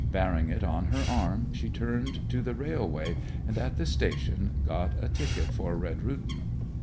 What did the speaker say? Bearing it on her arm she turned to the railway, and at the station got a ticket for Redrutin.